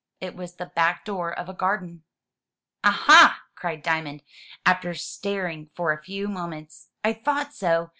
It was the back door of a garden. "Ah, ah!" cried Diamond, after staring for a few moments "I thought so!